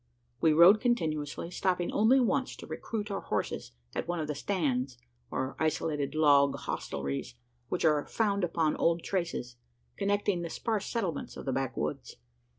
We rode continuously: stopping only once to recruit our horses at one of the "stands," or isolated log hostelries which are found upon the old "traces" connecting the sparse settlements of the backwoods.